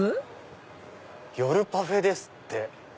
「夜パフェ」ですって！